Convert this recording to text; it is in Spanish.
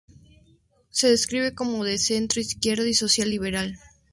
Se describe como de centro-izquierda y social liberal.